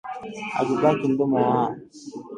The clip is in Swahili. Alibaki mdomo waa